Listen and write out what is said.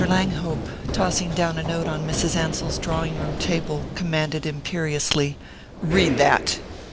LANGHOPE, tossing down a note on Mrs. Ansell's drawing room table, commanded imperiously: "Read that!"